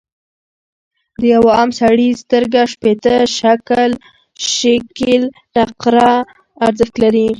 د یوه عام سړي سترګه شپیته شِکِل نقره ارزښت لري.